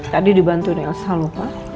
tadi dibantu nilsa lho pak